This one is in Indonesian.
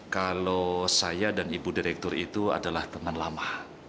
kalau saya dan ibu direktur itu adalah teman lama